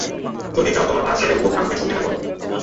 যদি চাও তোমার পা সেরে উঠুক, আমাকে সত্যিটা বলো।